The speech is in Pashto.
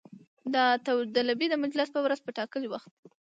او د داوطلبۍ د مجلس په ورځ په ټاکلي وخت